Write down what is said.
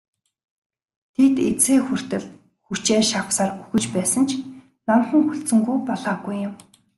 Тэд эцсээ хүртэл хүчээ шавхсаар үхэж байсан ч номхон хүлцэнгүй болоогүй юм.